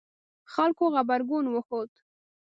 خلکو غبرګون وښود